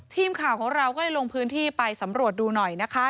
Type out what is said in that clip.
ทีมข่าวของเราก็เลยลงพื้นที่ไปสำรวจดูหน่อยนะคะ